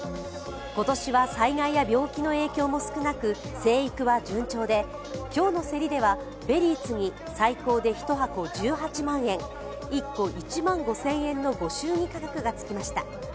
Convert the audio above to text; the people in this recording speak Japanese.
今年は災害や病気の影響も少なく、生育も順調で今日の競りでは、ベリーツに最高で１箱１８万円１個１万５０００円のご祝儀価格がつきました。